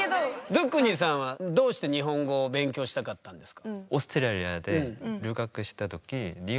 ドゥクニさんはどうして日本語を勉強したかったんですか？